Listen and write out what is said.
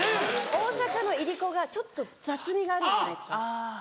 大阪のいりこがちょっと雑味があるんじゃないですかね。